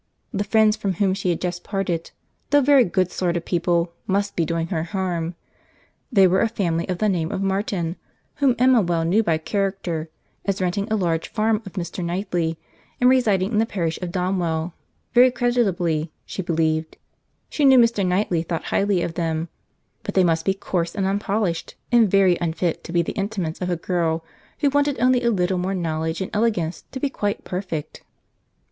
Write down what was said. The friends from whom she had just parted, though very good sort of people, must be doing her harm. They were a family of the name of Martin, whom Emma well knew by character, as renting a large farm of Mr. Knightley, and residing in the parish of Donwell—very creditably, she believed—she knew Mr. Knightley thought highly of them—but they must be coarse and unpolished, and very unfit to be the intimates of a girl who wanted only a little more knowledge and elegance to be quite perfect.